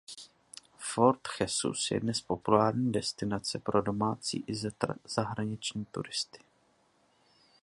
Fort Jesus je dnes populární destinace pro domácí i zahraniční turisty.